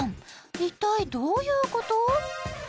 一体どういうこと？